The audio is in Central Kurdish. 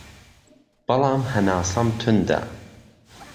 بەڵام هەناسەم توندە